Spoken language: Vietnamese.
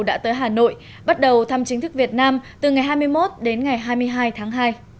đã tới hà nội bắt đầu thăm chính thức việt nam từ ngày hai mươi một đến ngày hai mươi hai tháng hai